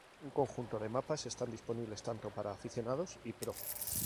Un conjunto de mapas están disponibles tanto para aficionados y pro.